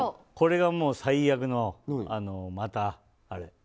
これが最悪のまたあれ。